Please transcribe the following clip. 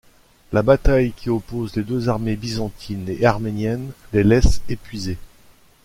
La bataille qui oppose les deux armées byzantine et arménienne les laissent épuisées.